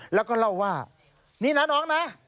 แล้วก็เล่าว่านี่นะน้องนะ